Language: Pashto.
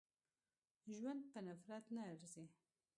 ژوند په نفرت نه ارزي.